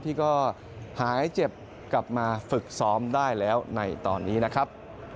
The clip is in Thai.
ที่ก็หายเจ็บกลับมาฝึกซ้อมได้แล้วในตอนนี้นะครับ